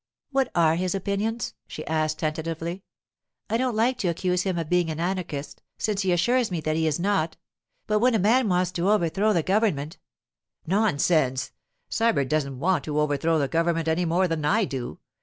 'What are his opinions?' she asked tentatively. 'I don't like to accuse him of being an anarchist, since he assures me that he's not. But when a man wants to overthrow the government——' 'Nonsense! Sybert doesn't want to overthrow the government any more than I do.